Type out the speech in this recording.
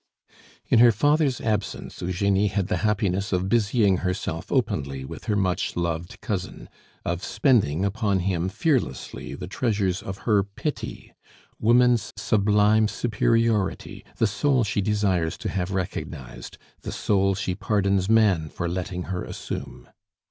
In her father's absence Eugenie had the happiness of busying herself openly with her much loved cousin, of spending upon him fearlessly the treasures of her pity, woman's sublime superiority, the sole she desires to have recognized, the sole she pardons man for letting her assume.